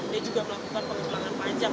dia juga melakukan pengurangan pajak